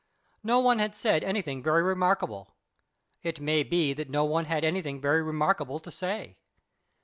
No one had said anything very remarkable; it may be that no one had anything very remarkable to say.